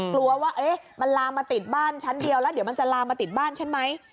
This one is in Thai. กลัวว่ามันลามมาติดบ้านชั้นเดียวแล้วเดี๋ยวมันจะลามมาติดบ้านฉันไหม